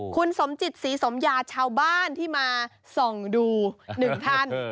คุณสมจิตศรีสมยาชาวบ้านที่มาส่องดูหนึ่งท่าน